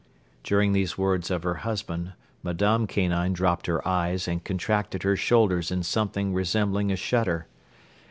During these words of her husband Madame Kanine dropped her eyes and contracted her shoulders in something resembling a shudder.